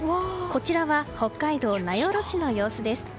こちらは北海道名寄市の様子です。